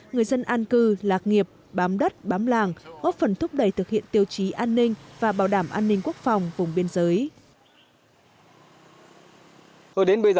người dân an cư lạc nghiệp bám đất bám làng góp phần thúc đẩy thực hiện tiêu chí an ninh và bảo đảm an ninh quốc phòng vùng biên giới